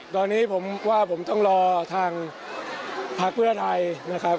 ตอนนี้ผมว่าผมต้องรอทางพักเพื่อไทยนะครับ